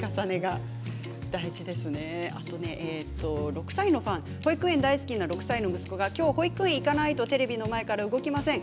６歳の方、保育園が大好きな息子が保育園に行かないとテレビの前から動きません。